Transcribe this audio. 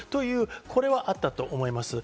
これはあったと思います。